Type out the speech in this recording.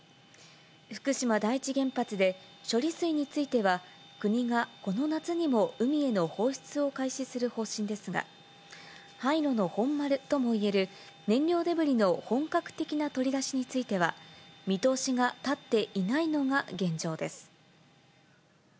福島第一原発で処理水については国がこの夏にも海への放出を開始する方針ですが、廃炉の本丸ともいえる燃料デブリの本格的な取り出しについては、見通しが立っていないのが現状です。